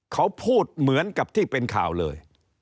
เขาพูดเหมือนกับที่เป็นข่าวเลย